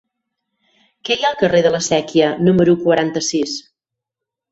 Què hi ha al carrer de la Sèquia número quaranta-sis?